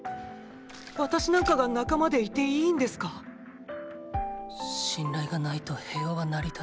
私なんかが仲間でいていいんですか⁉信頼がないと平和は成り立たない。